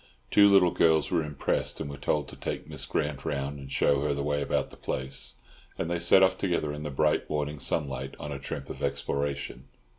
Two little girls were impressed, and were told to take Miss Grant round and show her the way about the place; and they set off together in the bright morning sunlight, on a trip of exploration.